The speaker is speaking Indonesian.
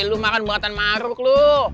lu makan buatan maruk lo